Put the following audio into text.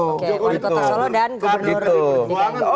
oke wali kota solo dan gubernur dki jakarta